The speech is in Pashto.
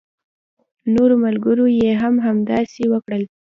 نورو ملګرو يې هم همداسې وکړل.